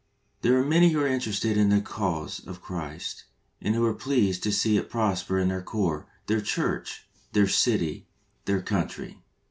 There are many who are interested in the cause of Christ, and who are pleased to see it prosper in their corps, their church, their city, their country.